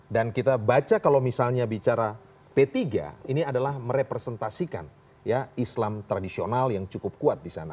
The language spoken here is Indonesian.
dan kita baca kalau misalnya bicara p tiga ini adalah merepresentasikan ya islam tradisional yang cukup kuat di sana